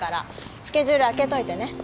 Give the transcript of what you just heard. スケジュール空けといてね